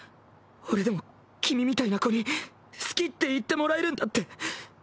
俺でも君みたいな子に好きって言ってもらえるんだって。